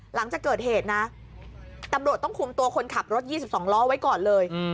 หลังจากเกิดเหตุนะตำรวจต้องคุมตัวคนขับรถ๒๒ล้อไว้ก่อนเลย